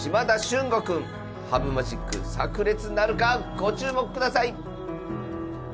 旬吾くん羽生マジックさく裂なるかご注目ください。